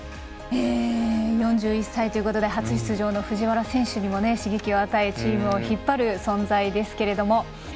４１歳ということで初出場の藤原選手にも刺激を与え、チームを引っ張る存在ですけれども。